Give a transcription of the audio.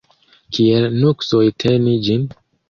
Kiel nuksoj teni ĝin?